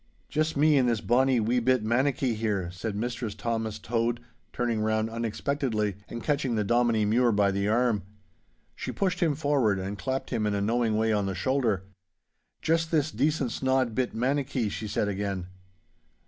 'Just me and this bonny wee bit mannikie here,' said Mistress Thomas Tode, turning round unexpectedly and catching the Dominie Mure by the arm. She pushed him forward and clapped him in a knowing way on the shoulder. 'Just this decent snod bit mannikie!' she said again.